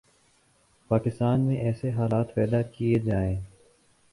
پاکستان میں ایسے حالات پیدا کئیے جائیں